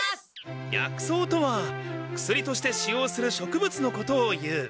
薬草とは薬として使用する植物のことをいう。